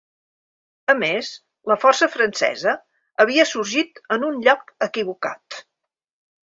A més, la força francesa havia sorgit en un lloc equivocat.